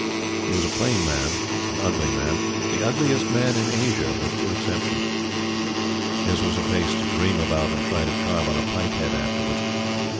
He was a plain man an ugly man the ugliest man in Asia, with two exceptions. His was a face to dream about and try to carve on a pipe head afterwards.